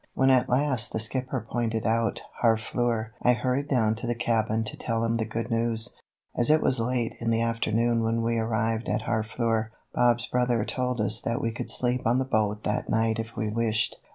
When at last the skipper pointed out Harfleur I hurried down to the cabin to tell him the good news. As it was late in the afternoon when we arrived at Harfleur, Bob's brother told us that we could sleep on the boat that night if we wished.